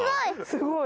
すごい！